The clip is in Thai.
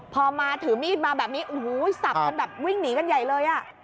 พอมาถือมีดมาแบบนี้โอ้โหสับกันแบบวิ่งหนีกันใหญ่เลยอ่ะ